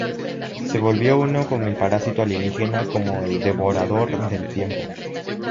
Se volvió uno con el parásito alienígena como el "Devorador del Tiempo".